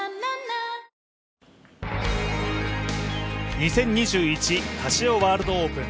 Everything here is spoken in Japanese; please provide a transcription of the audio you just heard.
２０２１カシオワールドオープン。